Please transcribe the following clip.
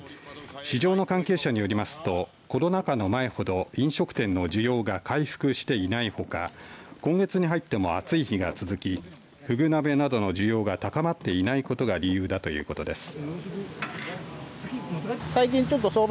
市場の関係者によりますとコロナ禍の前ほど飲食店の需要が回復していないほか今月に入っても暑い日が続きフグ鍋などの需要が高まっていないことが理由だということです。